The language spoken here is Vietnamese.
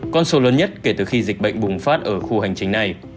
con số lớn nhất kể từ khi dịch bệnh bùng phát ở khu hành chính này